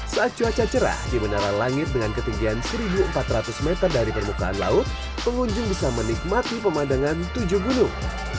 saat cuaca cerah di menara langit dengan ketinggian satu empat ratus meter dari permukaan laut pengunjung bisa menikmati pemandangan tujuh gunung